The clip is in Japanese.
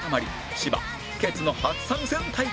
芝ケツの初参戦対決